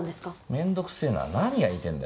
めんどくせぇな何が言いてぇんだよ。